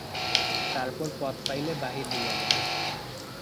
তারপর পথ পাইলে বাহির হইয়া যায়।